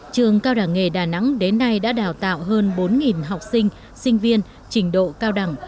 trường cao đẳng nghề đà nẵng đến nay đã đào tạo hơn bốn học sinh sinh viên trình độ cao đẳng